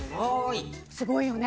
すごいよね。